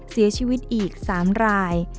เสียชีวิตอีก๓ราย